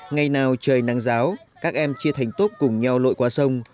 ngày nào trời nắng giáo các em chia thành tốt cùng nhau lội qua sông